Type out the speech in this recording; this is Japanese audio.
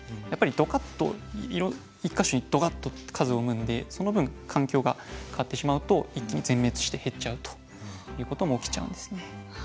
やっぱり一か所にどかっと数を産むんでその分環境が変わってしまうと一気に全滅して減っちゃうということも起きちゃうんですね。